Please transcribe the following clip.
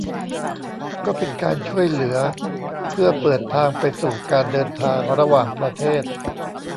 ก็เป็นการช่วยเหลือเพื่อเปิดทางไปสู่การเดินทางระหว่างประเทศ